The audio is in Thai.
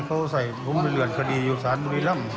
กับพฤติดีดีทำไงครับ